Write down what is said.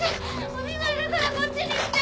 お願いだからこっちに来て！